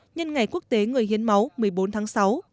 nhân ngày quốc tế người hiến máu một mươi bốn tháng sáu